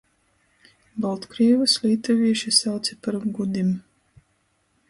Boltkrīvus lītuvīši sauce par gudim.